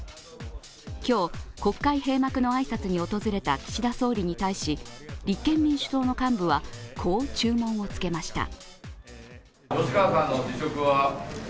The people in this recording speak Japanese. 今日、国会閉幕の挨拶に訪れた岸田総理に対し立憲民主党の幹部はこう注文をつけました。